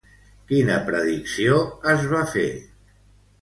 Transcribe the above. Quina predicció es va fer?